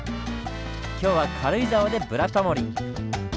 今日は軽井沢で「ブラタモリ」。